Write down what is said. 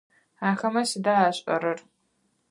Ахэмэ сыда ашӏэрэр?